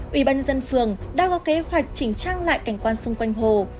ubnd phường đã có kế hoạch chỉnh trang lại cảnh quan xung quanh hồ